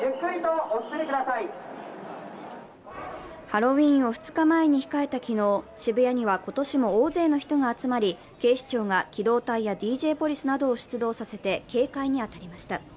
ハロウィーンを２日前に控えた昨日、渋谷には今年も大勢の人が集まり警視庁が機動隊やＤＪポリスなどを出動させて警戒に当たりました。